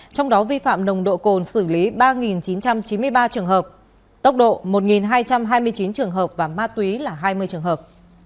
trong đó vi phạm nồng độ cồn xử lý ba chín trăm chín mươi ba trường hợp tốc độ một hai trăm hai mươi chín trường hợp và ma túy là hai mươi trường hợp